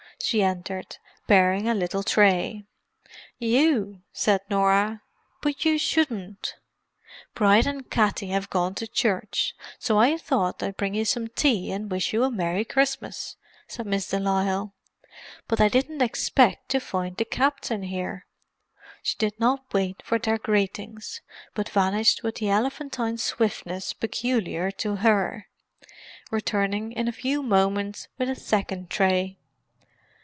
She entered, bearing a little tray. "You!" said Norah. "But you shouldn't." "Bride and Katty have gone to church, so I thought I'd bring you some tea and wish you a merry Christmas," said Miss de Lisle. "But I didn't expect to find the Captain here." She did not wait for their greetings, but vanished with the elephantine swiftness peculiar to her; returning in a few moments with a second tray.